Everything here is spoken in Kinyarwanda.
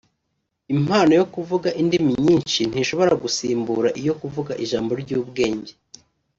Impano yo kuvuga indimi nyinshi ntishobora gusimbura iyo kuvuga ijambo ry’ubwenge